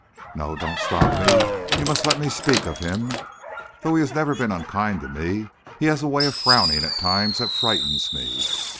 No; don't stop me. You must let me speak of him. Though he has never been unkind to me, he has a way of frowning at times that frightens me.